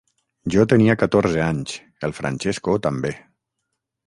Jo tenia catorze anys, el Francesco també.